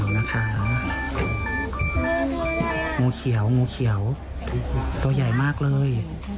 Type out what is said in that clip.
งูเขียวตัวใหญ่มากเลย